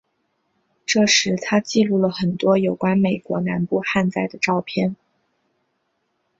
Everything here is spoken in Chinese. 这时他记录了很多有关美国南部旱灾的照片。